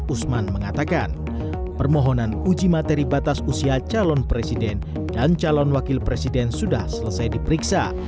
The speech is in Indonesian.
usman mengatakan permohonan uji materi batas usia calon presiden dan calon wakil presiden sudah selesai diperiksa